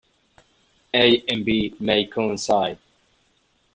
"A" and "B" may coincide.